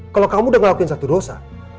kalau kamu udah ngelakuin satu dosa